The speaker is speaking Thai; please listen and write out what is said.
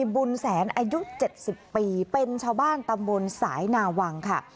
บุญแสนอายุ๗๐ปีเป็นชาวบ้านตำบลสายนาวังค่ะ